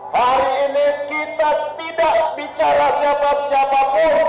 hari ini kita tidak bicara siapa siapapun